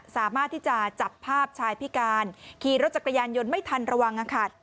สามารถที่จะจับภาพชายพิการขี่รถจักรยานยนต์ไม่ทันระวังค่ะ